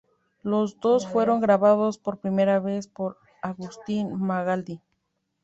Los dos fueron grabados por primera vez por Agustín Magaldi.